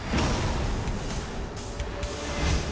แบบนี้